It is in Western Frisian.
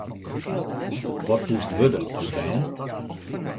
Wat woest wurde as bern?